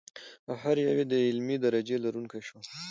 او هر یو یې د علمي درجې لرونکي شول.